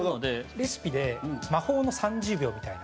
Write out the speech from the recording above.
レシピで魔法の３０秒みたいな。